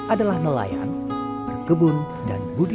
adalah nelayan berkebun dan budidaya lainnya